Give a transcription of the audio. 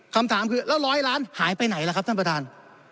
คำถามคือแล้วร้อยล้านหายไปไหนล่ะครับท่านประธาน